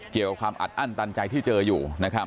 เกี่ยวกับความอัดอั้นตันใจที่เจออยู่